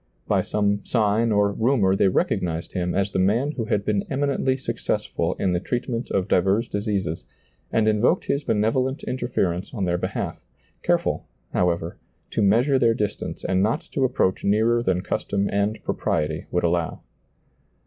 By some sign or rumor they rec ognized Him as the man who had been eminently successful in the treatment of divers diseases, and invoked His benevolent interference on their behalf, careful, however, to measure their distance and not to approach nearer than custom and propriety would allow.